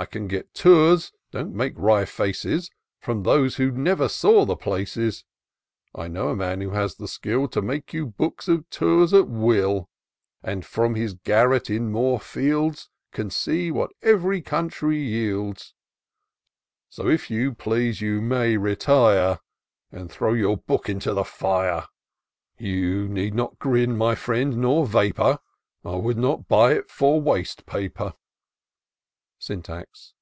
We can get Tours — don't make wry faces, From those who never saw the places ! I know a man, who has the skill To make you books of Tours at will ; And from his garret in Moorfields Can see what ev'ry country yields ; So, if you please, you may retire. And throw your book into the fire : You need not grin, my friend, nor vapour ; I would not buy it for waste paper! " Syntax.